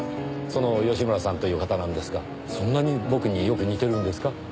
その吉村さんという方なんですがそんなに僕によく似てるんですか？